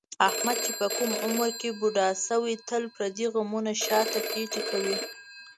احمد چې په کوم عمر بوډا شوی، تل پردي غمونه شاته پېټی کوي.